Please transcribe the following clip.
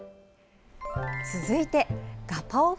続いてガパオ風